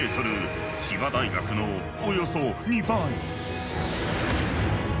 千葉大学のおよそ２倍。